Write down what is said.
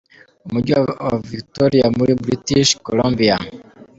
Umujyi wa Victoria muri British Columbia.